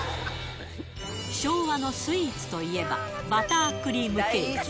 昭和のスイーツといえば、バタークリームケーキ。